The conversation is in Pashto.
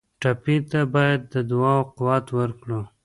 ټپي ته باید د دعا قوت ورکړو.